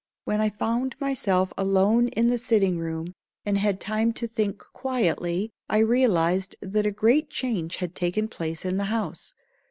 When I found myself alone in the sitting room, and had time to think quietly, I realized that a great change had taken place in the house.